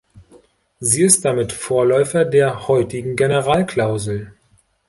Sie ist damit Vorläufer der heutigen Generalklausel.